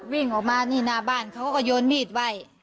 วิ่งออกมานี่หน้าบ้านเขาก็โยนมีดไว้